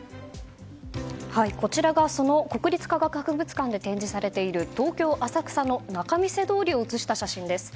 こちらがその国立科学博物館で展示されている東京・浅草の仲見世通りを写した写真です。